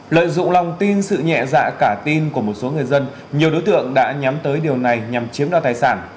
lợi dụng lòng tin sự nhẹ dạ cả tin của một số người dân nhiều đối tượng đã nhắm tới điều này nhằm chiếm đoạt tài sản